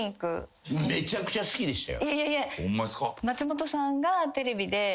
松本さんがテレビで。